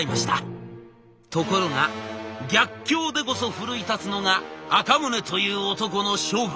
ところが逆境でこそ奮い立つのが赤宗という男の性分。